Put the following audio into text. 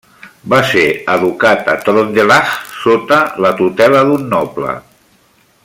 Va ser educat a Trøndelag sota la tutela d'un noble.